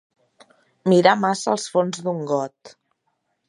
Mirar massa els fons d'un got.